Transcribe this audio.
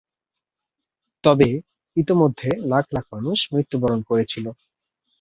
তবে ইতোমধ্যে লাখ লাখ মানুষ মৃত্যুবরণ করেছিল।